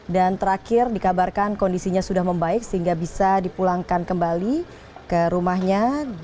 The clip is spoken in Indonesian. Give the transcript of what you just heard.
dan terakhir dikabarkan kondisinya sudah membaik sehingga bisa dipulangkan kembali ke rumahnya